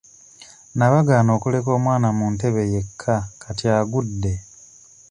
Nabagaana okuleka omwana mu ntebe yekka kati agudde.